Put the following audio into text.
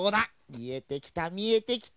みえてきたみえてきた！